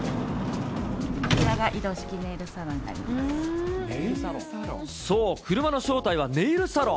こちらが移動式ネイルサロンそう、車の正体はネイルサロン。